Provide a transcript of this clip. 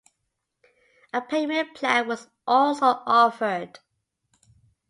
A payment plan was also offered.